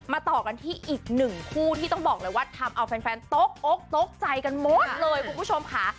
ต่อกันที่อีกหนึ่งคู่ที่ต้องบอกเลยว่าทำเอาแฟนตกอกตกใจกันหมดเลยคุณผู้ชมค่ะ